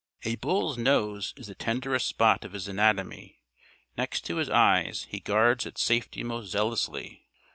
A bull's nose is the tenderest spot of his anatomy. Next to his eyes, he guards its safety most zealously.